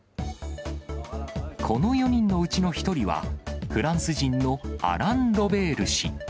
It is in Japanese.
この４人のうちの１人は、フランス人のアラン・ロベール氏。